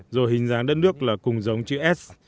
rồi hình dáng đất nước là cùng giống chữ s